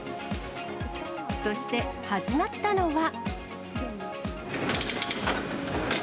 そして始まったのは。